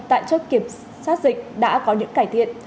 tại chốt kiểm soát dịch đã có những cải thiện